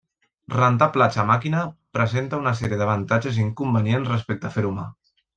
Rentar plats a màquina presenta una sèrie d'avantatges i inconvenients respecte a fer-ho a mà.